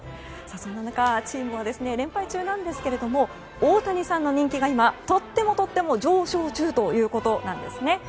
そんな中チームは連敗中なんですが大谷さんの人気が今とってもとっても上昇中ということなんですね。